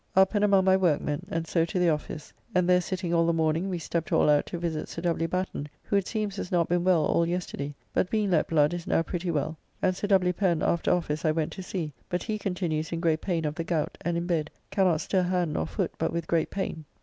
Up and among my workmen, and so to the office, and there sitting all the morning we stept all out to visit Sir W. Batten, who it seems has not been well all yesterday, but being let blood is now pretty well, and Sir W. Pen after office I went to see, but he continues in great pain of the gout and in bed, cannot stir hand nor foot but with great pain.